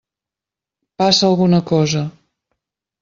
Passa alguna cosa.